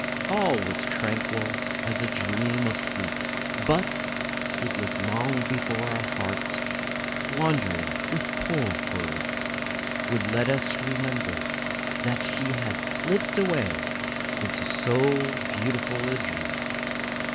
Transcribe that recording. All was tranquil as a dream of sleep. But it was long before our hearts, wandering with poor Herd, would let us remember that she had slipped away into so beautiful a dream.